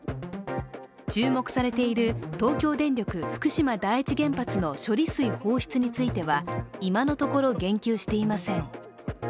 注目されている東京電力福島第一原発の処理水放出については今のところ言及していません。